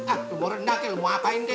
ah mau rendang kayaknya mau ngapain deh